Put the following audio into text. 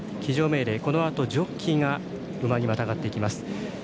このあとジョッキーが馬にまたがっていきます。